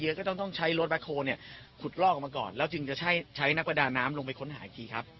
ไม่มีต้นไม้เยอะก็ต้องใช้รถแบคโครเนี่ยขุดล่อกลงมาก่อนแล้วจึงจะใช้นักประดาน้ำลงไปค้นหาอีกทีครับ